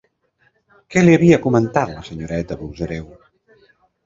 Què li havia comentat la senyoreta Buxareu?